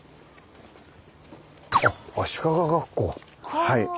はい。